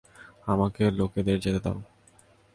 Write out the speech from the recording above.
আমার লোকেদের যেতে দাও!